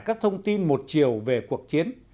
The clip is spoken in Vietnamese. các thông tin một chiều về cuộc chiến